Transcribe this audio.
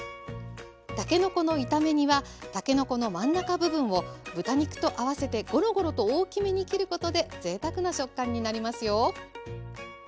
たけのこの炒め煮はたけのこの真ん中部分を豚肉と合わせてごろごろと大きめに切ることでぜいたくな食感になりますよ。